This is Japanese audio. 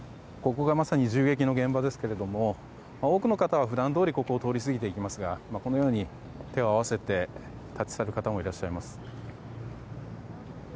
ここがまさに銃撃の現場ですけど多くの方は普段どおりここを通り過ぎていきますがこのように、手を合わせて立ち去る方もいらっしゃいます。